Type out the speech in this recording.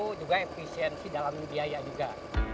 dan juga untuk pemetikan di dalam biaya juga